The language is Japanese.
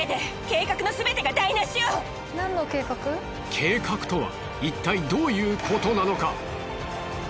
計画とはいったいどういうことなのか？